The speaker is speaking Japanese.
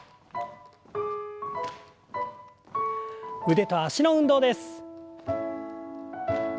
腕と脚の運動です。